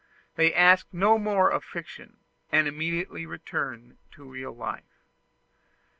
They ask no more of fiction, and immediately return to real life.